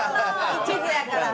一途やから。